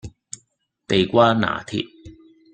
地瓜拿鐵